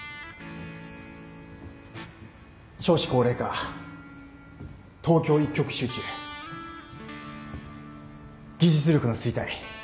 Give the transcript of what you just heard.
少子高齢化東京一極集中技術力の衰退。